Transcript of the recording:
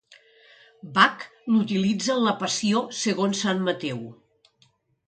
Bach l'utilitza en la Passió segons Sant Mateu.